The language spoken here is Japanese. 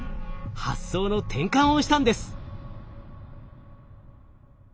発想の転換をしたんです。